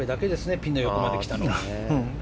ピンの横にきたのは。